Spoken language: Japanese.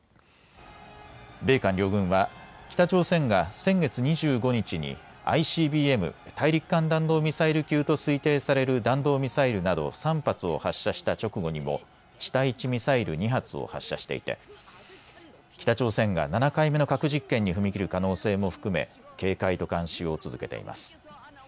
米韓両軍は北朝鮮が先月２５日にＩＣＢＭ・大陸間弾道ミサイル級と推定される弾道ミサイルなど３発を発射した直後にも地対地ミサイル２発を発射していて北朝鮮が７回目の核実験に踏み切る可能性も含め警戒と監視を続けています。